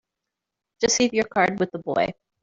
Just leave your card with the boy.